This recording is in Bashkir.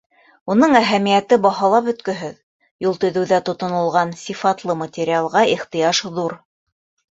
Уның әһәмиәте баһалап бөткөһөҙ: юл төҙөүҙә тотонолған сифатлы материалға ихтыяж ҙур.